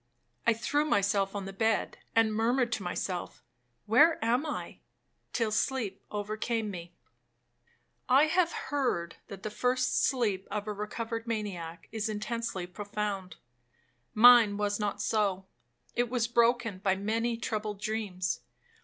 I threw myself on the bed, and murmured to myself, 'Where am I?' till sleep overcame me. 1 This is a fact well established. 'I have heard that the first sleep of a recovered maniac is intensely profound. Mine was not so, it was broken by many troubled dreams.